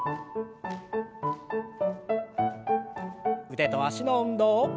腕と脚の運動。